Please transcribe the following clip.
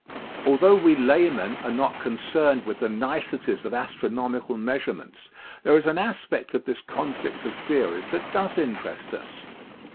Although we laymen are not concerned with the niceties of astronomical measurements there is an aspect of this conflict of theories that does interest us.